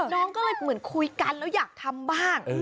น้องก็เลยเหมือนคุยกันแล้วอยากทำบ้าง